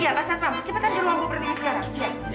iya pak satpam cepetan ke ruang gue berdiri sekarang